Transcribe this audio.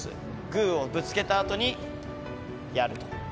グーをぶつけたあとにやる。